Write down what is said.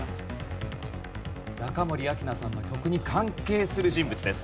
中森明菜さんの曲に関係する人物です。